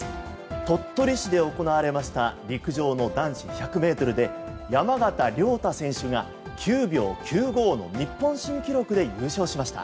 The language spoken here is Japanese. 鳥取市で行われました陸上の男子１００ｍで山縣亮太選手が９秒９５の日本新記録で優勝しました。